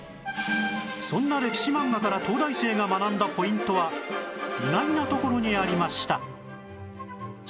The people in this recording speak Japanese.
そんな歴史漫画から東大生が学んだポイントは意外なところにありました